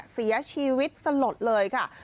เสียชีวิตสลดเลยค่ะ